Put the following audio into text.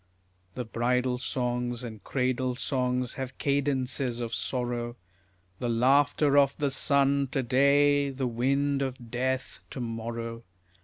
The bridal songs and cradle songs have cadences of sorrow, The laughter of the sun to day, the wind of death to morrow.